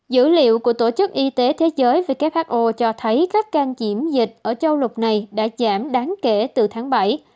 dữ liệu của tổ chức y tế thế giới cho thấy các căn nhiễm dịch ở châu lục này đã giảm đáng kể từ tháng bảy